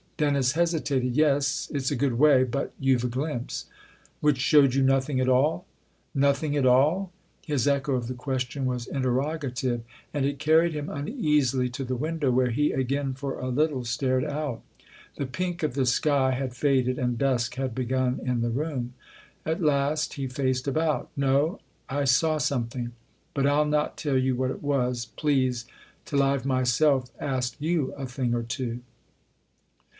Dennis hesitated. "Yes it's a good way, but you've a glimpse." " Which showed you nothing at all ?"" Nothing at all ?" his echo of the question was interrogative, and it carried him uneasily to the window, where he again, for a little, stared out. The pink of the sky had faded and dusk had begun in the room. At last he faced about. "No I saw something. But I'll not tell you what it was, please, till I've myself asked you a thing or two."